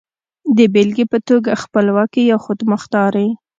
د بېلګې په توګه خپلواکي يا خودمختاري.